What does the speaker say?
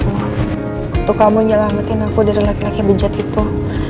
waktu kamu nyalah amatin aku dari laki laki bijak itu